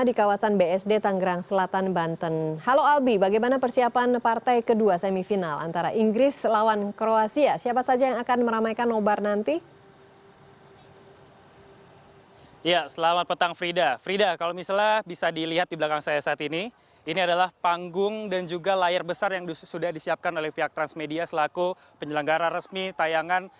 di kawasan san berserpong tanggerang selatan mulai rabu malam